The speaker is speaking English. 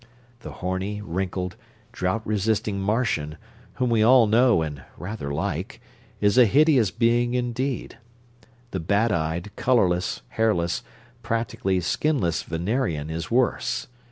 The horny, wrinkled, drought resisting Martian, whom we all know and rather like, is a hideous being indeed. The bat eyed, colorless, hairless, practically skinless Venerian is worse.